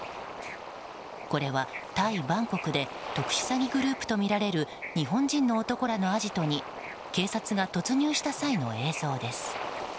これはタイ・バンコクで特殊詐欺グループとみられる日本人の男らのアジトに警察が突入した際の映像です。